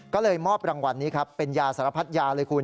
ก็เลยมอบรางวัลนี้ครับเป็นยาสารพัดยาเลยคุณ